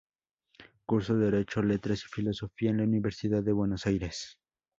Cursó derecho, letras y filosofía en la Universidad de Buenos Aires.